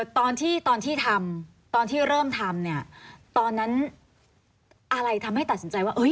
ตอนที่ตอนที่ทำตอนที่เริ่มทำเนี่ยตอนนั้นอะไรทำให้ตัดสินใจว่า